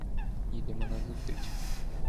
їдемо назустріч.